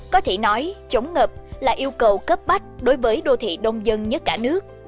có thể nói chống ngập là yêu cầu cấp bách đối với đô thị đông dân nhất cả nước